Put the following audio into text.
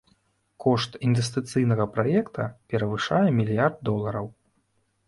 Кошт інвестыцыйнага праекта перавышае мільярд долараў.